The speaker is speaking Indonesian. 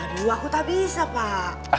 dua aku tak bisa pak